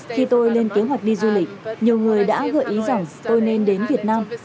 khi tôi lên kế hoạch đi du lịch nhiều người đã gợi ý rằng tôi nên đến việt nam